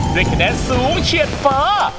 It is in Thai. ด้วยคะแนนสูงเฉียดฟ้า